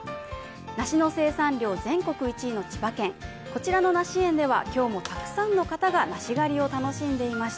梨の生産量全国１位の千葉県、こちらの梨園では今日もたくさんの方梨狩りを楽しんでいました。